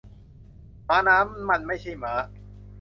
ม้าน้ำ มันไม่ใช่ม้า